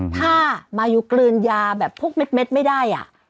ถ้ามายูกลืนยาแบบพวกเม็ดไม่ได้